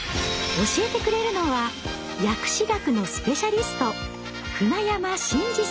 教えてくれるのは薬史学のスペシャリスト